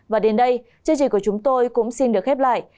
và đến đây chương trình của chúng tôi cũng xin được khép lại